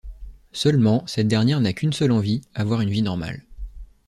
Seulement, cette dernière n'a qu'une seule envie, avoir une vie normale.